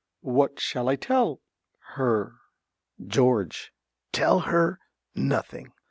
What shall I tell her? ~George.~ Tell her nothing.